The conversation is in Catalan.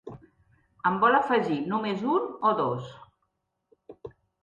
En vol afegir només un o dos?